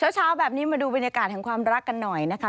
เช้าแบบนี้มาดูบรรยากาศแห่งความรักกันหน่อยนะคะ